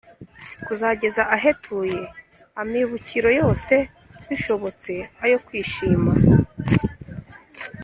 kuzageza ahetuye amibukiro yose bishobotse ayo kwishima